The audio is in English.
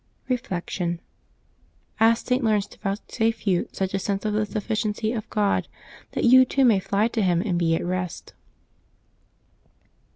Reflection. — Ask St. Laurence to vouchsafe you such a sense of the suflSciency of God that you too may fly to Him and be at rest.